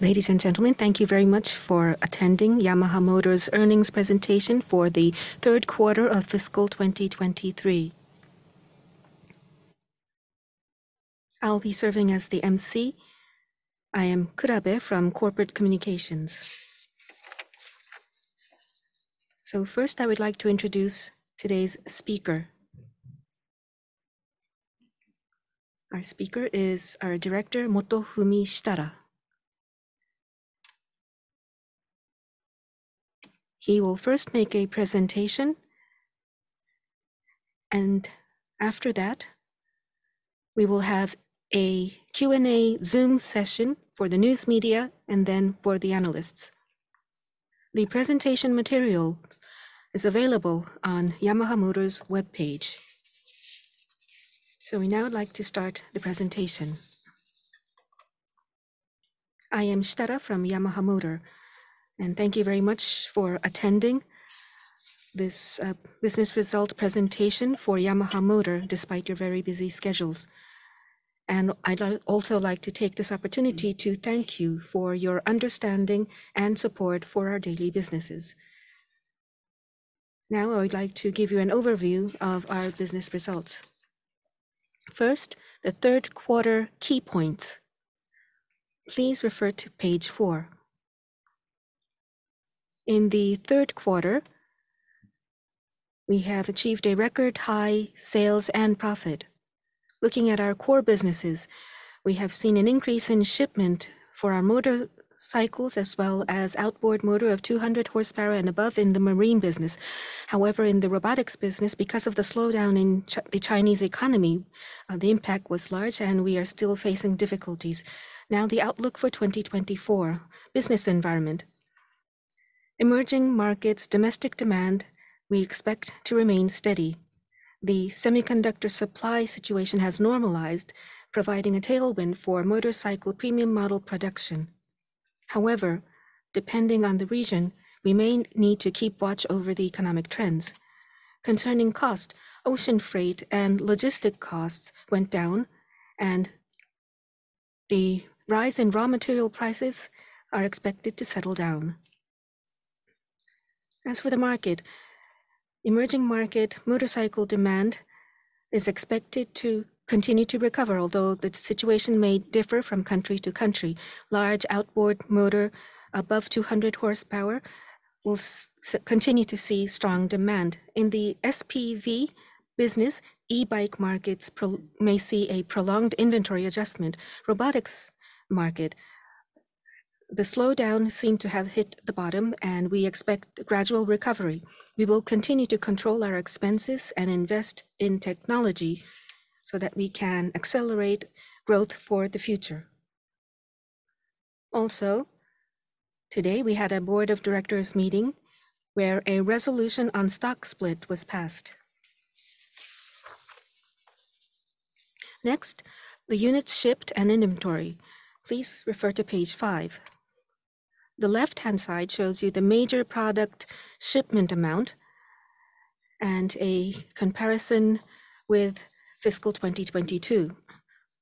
Ladies and gentlemen, thank you very much for attending Yamaha Motor's earnings presentation for the third quarter of fiscal 2023. I'll be serving as the emcee. I am Kurabe from corporate communications. So first, I would like to introduce today's speaker. Our speaker is our Director, Motofumi Shitara. He will first make a presentation, and after that, we will have a Q&A Zoom session for the news media and then for the analysts. The presentation material is available on Yamaha Motor's web page. So we now would like to start the presentation. I am Shitara from Yamaha Motor, and thank you very much for attending this business result presentation for Yamaha Motor despite your very busy schedules. I'd also like to take this opportunity to thank you for your understanding and support for our daily businesses. Now I would like to give you an overview of our business results. First, the third quarter key points. Please refer to page four. In the third quarter, we have achieved a record high sales and profit. Looking at our core businesses, we have seen an increase in shipment for our motorcycles as well as outboard motor of 200 horsepower and above in the marine business. However, in the robotics business, because of the slowdown in the Chinese economy, the impact was large, and we are still facing difficulties. Now the outlook for 2024 business environment. Emerging markets domestic demand we expect to remain steady. The semiconductor supply situation has normalized, providing a tailwind for motorcycle premium model production. However, depending on the region, we may need to keep watch over the economic trends. Concerning cost, ocean freight and logistics costs went down, and the rise in raw material prices are expected to settle down. As for the market, emerging market motorcycle demand is expected to continue to recover, although the situation may differ from country to country. Large outboard motor above 200 horsepower will continue to see strong demand. In the SPV business, e-bike markets may see a prolonged inventory adjustment. Robotics market, the slowdown seemed to have hit the bottom, and we expect gradual recovery. We will continue to control our expenses and invest in technology so that we can accelerate growth for the future. Also, today we had a board of directors meeting where a resolution on stock split was passed. Next, the unit shipped and inventory. Please refer to page five. The left-hand side shows you the major product shipment amount and a comparison with fiscal 2022.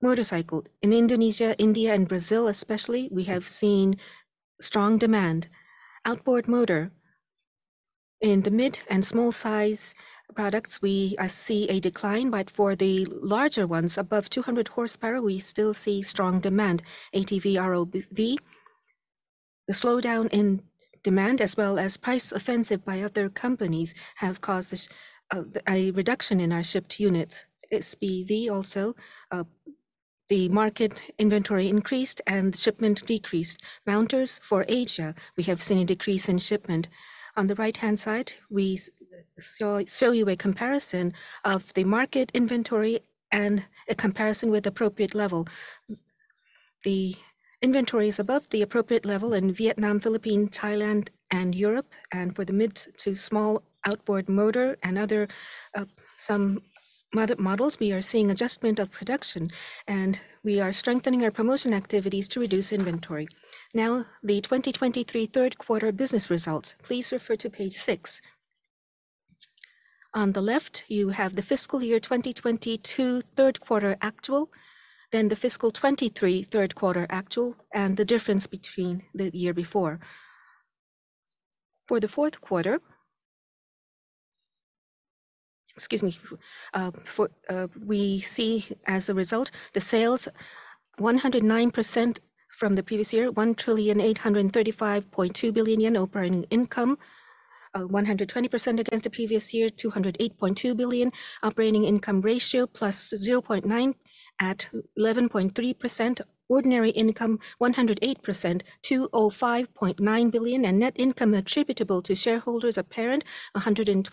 Motorcycle in Indonesia, India, and Brazil especially, we have seen strong demand. Outboard motor in the mid- and small-size products, we see a decline, but for the larger ones above 200 horsepower, we still see strong demand. ATV/ROV, the slowdown in demand as well as price offensive by other companies have caused a reduction in our shipped units. SPV also, the market inventory increased and shipment decreased. Mounters for Asia, we have seen a decrease in shipment. On the right-hand side, we show you a comparison of the market inventory and a comparison with appropriate level. The inventory is above the appropriate level in Vietnam, Philippines, Thailand, and Europe. For the mid- to small outboard motor and some other models, we are seeing adjustment of production, and we are strengthening our promotion activities to reduce inventory. Now the 2023 third quarter business results. Please refer to page six. On the left, you have the fiscal year 2022 third quarter actual, then the fiscal 2023 third quarter actual, and the difference between the year before. For the fourth quarter, excuse me, we see as a result the sales 109% from the previous year, 1,835.2 billion yen operating income, 120% against the previous year, 208.2 billion operating income ratio +0.9% at 11.3%. Ordinary income 108%, 205.9 billion, and net income attributable to shareholders of parent 112%,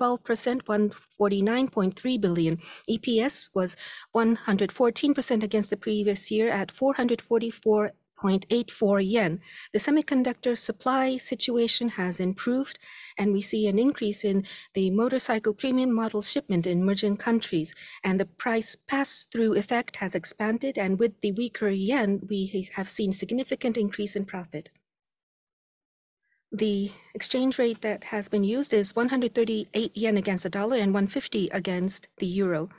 149.3 billion. EPS was 114% against the previous year at 444.84 yen. The semiconductor supply situation has improved, and we see an increase in the motorcycle premium model shipment in emerging countries, and the price pass-through effect has expanded. And with the weaker yen, we have seen significant increase in profit. The exchange rate that has been used is 138 yen against the dollar and 150 JPY against the euro.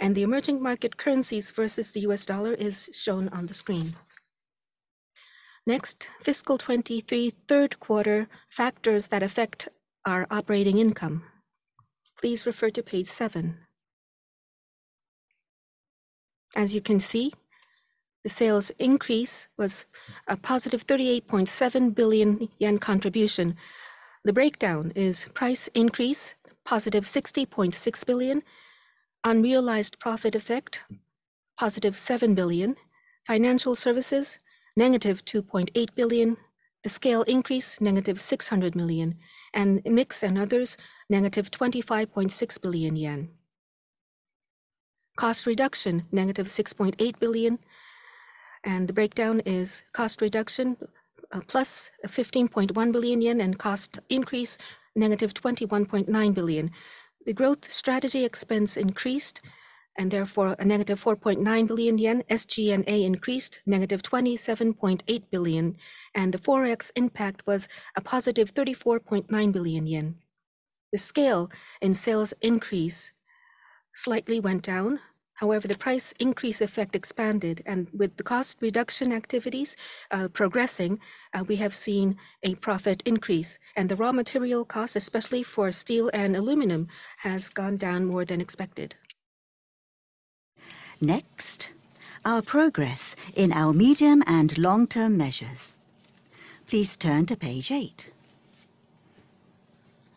The emerging market currencies versus the US dollar is shown on the screen. Next, fiscal 2023 third quarter factors that affect our operating income. Please refer to page seven. As you can see, the sales increase was a +38.7 billion yen contribution. The breakdown is price increase +60.6 billion, unrealized profit effect +7 billion, financial services -2.8 billion, the scale increase -600 million, and mix and others -25.6 billion yen. Cost reduction -6.8 billion, and the breakdown is cost reduction +15.1 billion yen and cost increase -21.9 billion. The growth strategy expense increased and therefore -4.9 billion yen. SG&A increased -27.8 billion, and the forex impact was +34.9 billion yen. The scale in sales increase slightly went down. However, the price increase effect expanded, and with the cost reduction activities progressing, we have seen a profit increase, and the raw material cost, especially for steel and aluminum, has gone down more than expected. Next, our progress in our medium- and long-term measures. Please turn to page eight.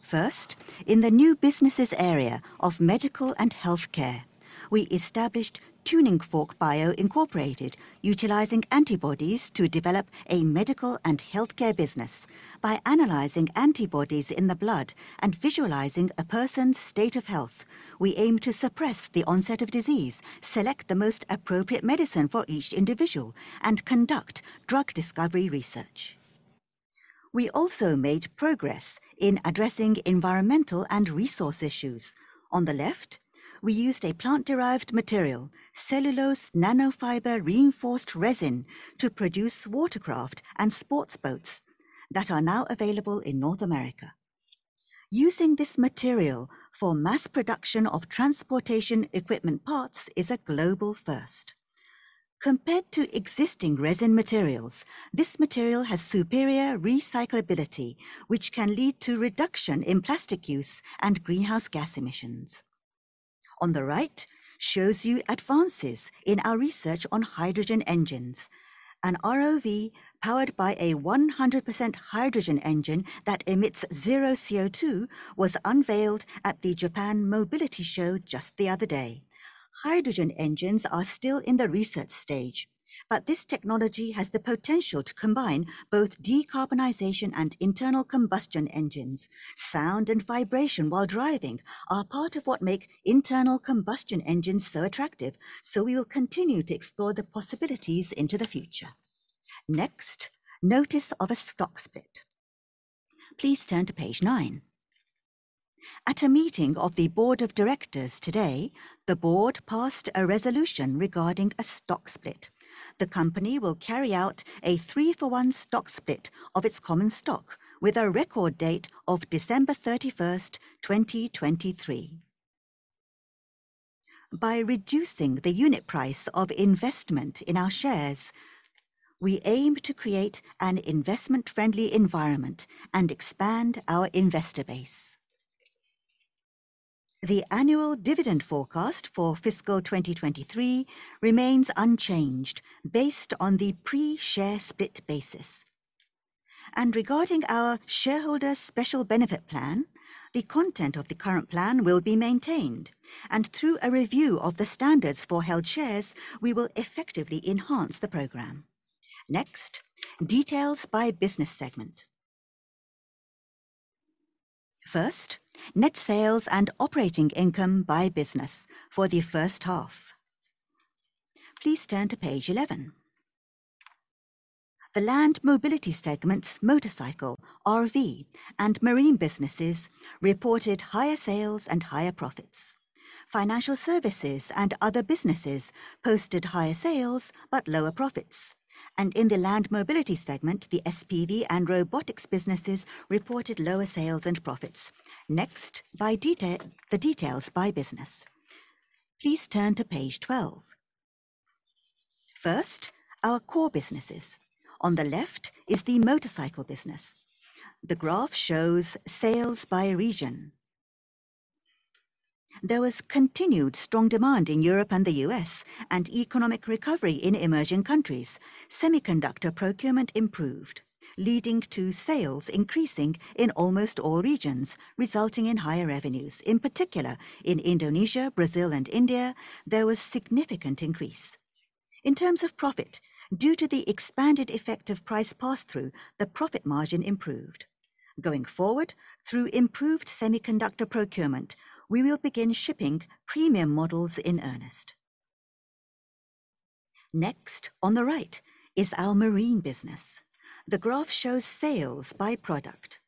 First, in the new businesses area of medical and healthcare, we established Tuning Fork Bio Incorporated, utilizing antibodies to develop a medical and healthcare business. By analyzing antibodies in the blood and visualizing a person's state of health, we aim to suppress the onset of disease, select the most appropriate medicine for each individual, and conduct drug discovery research. We also made progress in addressing environmental and resource issues. On the left, we used a plant-derived material, cellulose nanofiber reinforced resin, to produce watercraft and sports boats that are now available in North America. Using this material for mass production of transportation equipment parts is a global first. Compared to existing resin materials, this material has superior recyclability, which can lead to reduction in plastic use and greenhouse gas emissions. On the right shows you advances in our research on hydrogen engines. An ROV powered by a 100% hydrogen engine that emits zero CO2 was unveiled at the Japan Mobility Show just the other day. Hydrogen engines are still in the research stage, but this technology has the potential to combine both decarbonization and internal combustion engines. Sound and vibration while driving are part of what make internal combustion engines so attractive, so we will continue to explore the possibilities into the future. Next, notice of a stock split. Please turn to page nine. At a meeting of the board of directors today, the board passed a resolution regarding a stock split. The company will carry out a 3-for-1 stock split of its common stock with a record date of December 31, 2023. By reducing the unit price of investment in our shares, we aim to create an investment-friendly environment and expand our investor base. The annual dividend forecast for fiscal 2023 remains unchanged based on the pre-share split basis. Regarding our shareholder special benefit plan, the content of the current plan will be maintained, and through a review of the standards for held shares, we will effectively enhance the program. Next, details by business segment. First, net sales and operating income by business for the first half. Please turn to page 11. The land mobility segments motorcycle RV and marine businesses reported higher sales and higher profits. Financial services and other businesses posted higher sales but lower profits. In the land mobility segment, the SPV and robotics businesses reported lower sales and profits. Next, the details by business. Please turn to page 12. First, our core businesses. On the left is the motorcycle business. The graph shows sales by region. There was continued strong demand in Europe and the U.S., and economic recovery in emerging countries. Semiconductor procurement improved, leading to sales increasing in almost all regions, resulting in higher revenues. In particular, in Indonesia, Brazil, and India, there was significant increase. In terms of profit, due to the expanded effect of price pass-through, the profit margin improved. Going forward, through improved semiconductor procurement, we will begin shipping premium models in earnest. Next, on the right, is our marine business. The graph shows sales by product.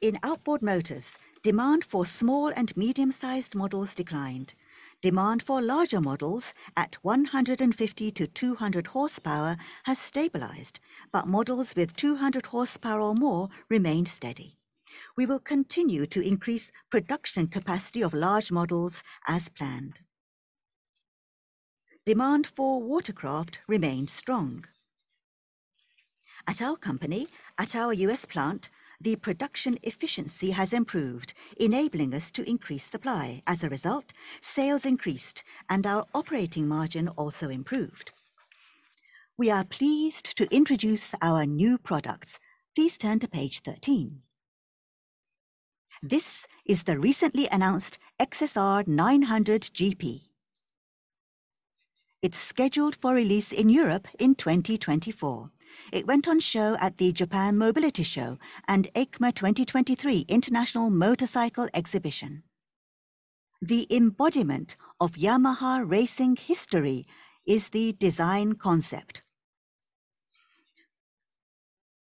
In outboard motors, demand for small and medium-sized models declined. Demand for larger models at 150-200 horsepower has stabilized, but models with 200 horsepower or more remain steady. We will continue to increase production capacity of large models as planned. Demand for watercraft remained strong. At our company, at our U.S. plant, the production efficiency has improved, enabling us to increase supply. As a result, sales increased, and our operating margin also improved. We are pleased to introduce our new products. Please turn to page 13. This is the recently announced XSR900 GP. It's scheduled for release in Europe in 2024. It went on show at the Japan Mobility Show and EICMA 2023 International Motorcycle Exhibition. The embodiment of Yamaha racing history is the design concept.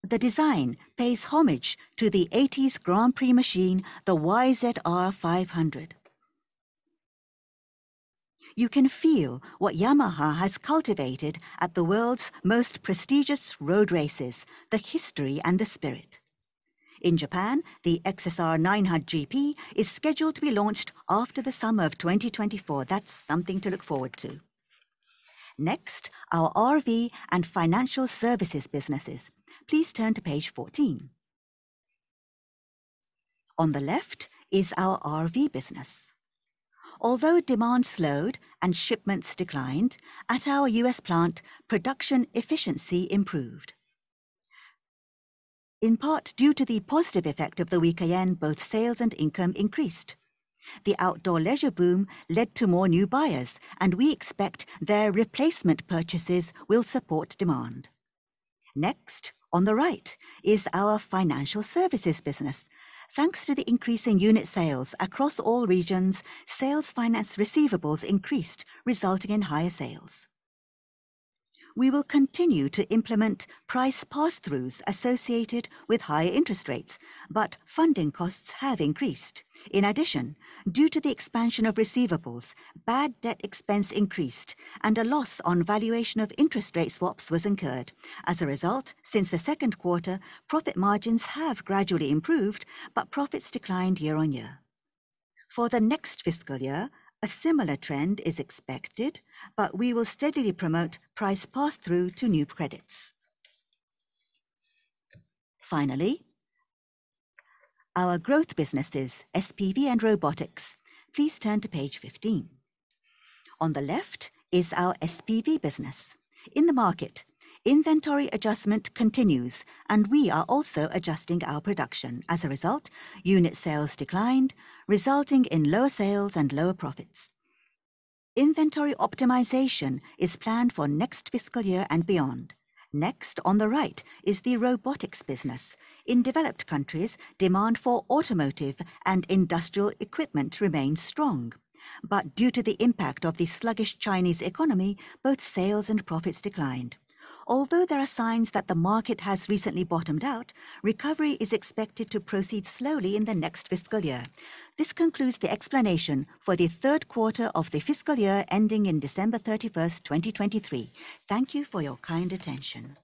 The design pays homage to the 1980s Grand Prix machine, the YZR500. You can feel what Yamaha has cultivated at the world's most prestigious road races, the history and the spirit. In Japan, the XSR900 GP is scheduled to be launched after the summer of 2024. That's something to look forward to. Next, our ROV and financial services businesses. Please turn to page 14. On the left is our RV business. Although demand slowed and shipments declined, at our U.S. plant, production efficiency improved. In part due to the positive effect of the weaker yen, both sales and income increased. The outdoor leisure boom led to more new buyers, and we expect their replacement purchases will support demand. Next, on the right, is our financial services business. Thanks to the increasing unit sales across all regions, sales finance receivables increased, resulting in higher sales. We will continue to implement price pass-throughs associated with higher interest rates, but funding costs have increased. In addition, due to the expansion of receivables, bad debt expense increased, and a loss on valuation of interest rate swaps was incurred. As a result, since the second quarter, profit margins have gradually improved, but profits declined year-on-year. For the next fiscal year, a similar trend is expected, but we will steadily promote price pass-through to new credits. Finally, our growth businesses, SPV and robotics. Please turn to page 15. On the left is our SPV business. In the market, inventory adjustment continues, and we are also adjusting our production. As a result, unit sales declined, resulting in lower sales and lower profits. Inventory optimization is planned for next fiscal year and beyond. Next, on the right, is the robotics business. In developed countries, demand for automotive and industrial equipment remains strong, but due to the impact of the sluggish Chinese economy, both sales and profits declined. Although there are signs that the market has recently bottomed out, recovery is expected to proceed slowly in the next fiscal year. This concludes the explanation for the third quarter of the fiscal year ending in December 31, 2023. Thank you for your kind attention.